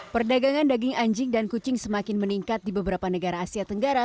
perdagangan daging anjing dan kucing semakin meningkat di beberapa negara asia tenggara